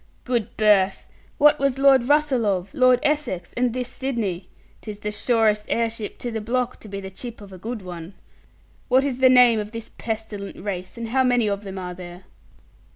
'Good birth! What was Lord Russell of, Lord Essex, and this Sidney? 'Tis the surest heirship to the block to be the chip of a good one. What is the name of this pestilent race, and how many of them are there?'